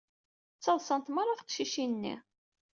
Ttaḍsant meṛṛa teqcicin-nni.